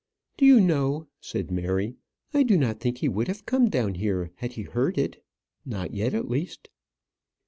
"Do you know," said Mary, "I do not think he would have come down here had he heard it not yet, at least."